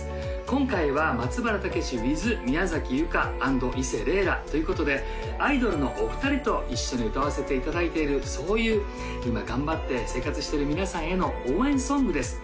今回は松原健之ｗｉｔｈ宮崎由加＆伊勢鈴蘭ということでアイドルのお二人と一緒に歌わせていただいているそういう今頑張って生活してる皆さんへの応援ソングです